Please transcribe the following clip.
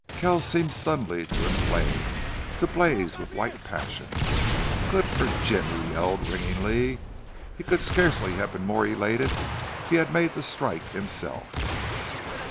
Kells seemed suddenly to inflame, to blaze with white passion. "Good for Jim!" he yelled, ringingly. He could scarcely have been more elated if he had made the strike himself.